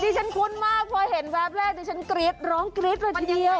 ฉันคุ้นมากพอเห็นแวบแรกดิฉันกรี๊ดร้องกรี๊ดเลยทีเดียว